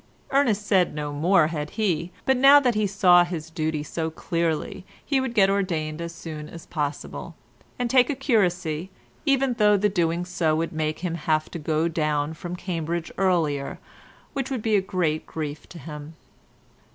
Ernest said no more had he, but now that he saw his duty so clearly he would get ordained as soon as possible, and take a curacy, even though the doing so would make him have to go down from Cambridge earlier, which would be a great grief to him.